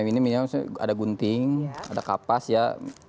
ini misalnya ada gunting ada kapas ya